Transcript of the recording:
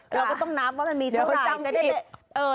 เราก็ต้องนับว่ามันมีเท่าไหร่จะได้